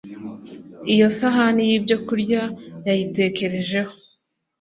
iyo sahani yibyokurya Yayitekerejeho